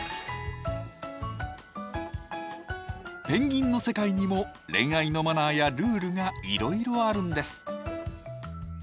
ペンギンの世界にも恋愛のマナーやルールがいろいろあるんです。